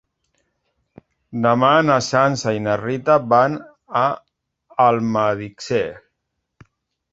Demà na Sança i na Rita van a Almedíxer.